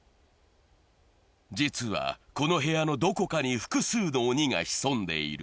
実はこの部屋のどこかに複数の鬼が潜んでいる。